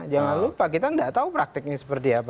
jangan lupa kita tidak tahu prakteknya seperti apa